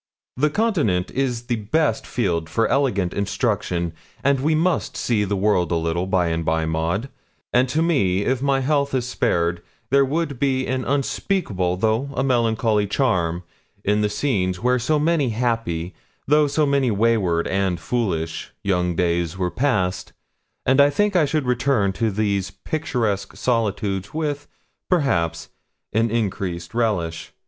The Continent is the best field for elegant instruction, and we must see the world a little, by and by, Maud; and to me, if my health be spared, there would be an unspeakable though a melancholy charm in the scenes where so many happy, though so many wayward and foolish, young days were passed; and I think I should return to these picturesque solitudes with, perhaps, an increased relish.